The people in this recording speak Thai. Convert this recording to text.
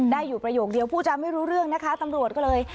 ได้อยู่ประโยคเดียวผู้จำไม่รู้เรื่องนะคะตำรวจก็เลย